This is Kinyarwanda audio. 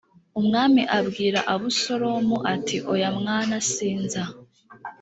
umwami abwira abusalomu ati oya mwana sinza